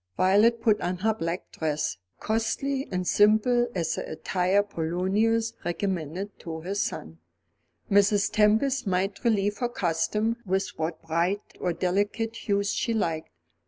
Violet put on her black dress, costly and simple as the attire Polonius recommended to his son. Mrs. Tempest might relieve her costume with what bright or delicate hues she liked.